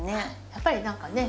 やっぱり何かね